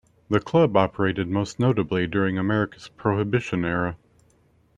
The club operated most notably during America's Prohibition Era.